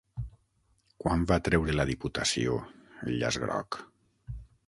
Quan va treure la Diputació el llaç groc?